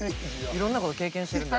いろんなこと経験してるんで。